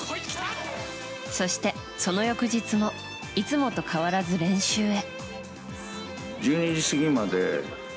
そして、その翌日もいつもと変わらず練習へ。